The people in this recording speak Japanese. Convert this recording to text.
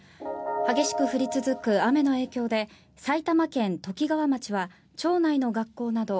激しく降り続く雨の影響で埼玉県ときがわ町は町内の学校など７